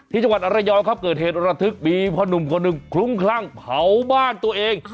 จังหวัดระยองครับเกิดเหตุระทึกมีพ่อหนุ่มคนหนึ่งคลุ้มคลั่งเผาบ้านตัวเอง